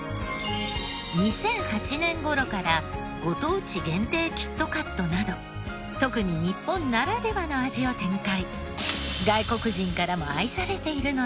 ２００８年頃からご当地限定キットカットなど特に日本ならではの味を展開。